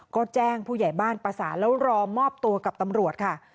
ก็แจ้งผู้ใหญ่บ้านประสานแล้วรอมอบตัวกับตำรวจค่ะ